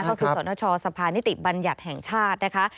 ก็คือสนชสภานิติบัญญัติแห่งชาตินะคะ